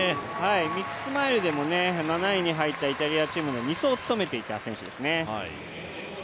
ミックスマイルでも７位に入った２走を務めていた選手ですね。